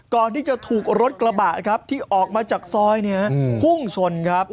ก่อนที่จะถูกรถกระบะครับที่ออกมาจากซอยพุ่งชนครับ